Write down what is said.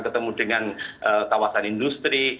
ketemu dengan kawasan industri